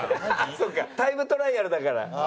そうかタイムトライアルだから。